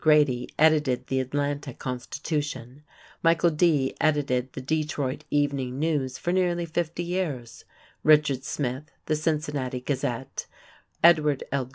Grady edited the Atlanta Constitution; Michael Dee edited the Detroit Evening News for nearly fifty years; Richard Smith, the Cincinnati Gazette; Edward L.